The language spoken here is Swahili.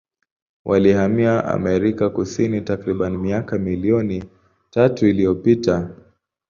Walihamia Amerika Kusini takribani miaka milioni tatu iliyopita.